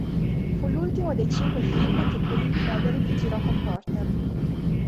Fu l'ultimo dei cinque film che Pauline Frederick girò con Porter.